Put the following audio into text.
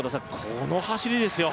この走りですよ